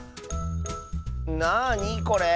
なあにこれ？